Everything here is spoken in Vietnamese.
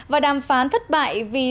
và đàm phán thất bại